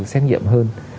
xét nghiệm hơn